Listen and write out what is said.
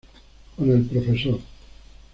Con el Prof.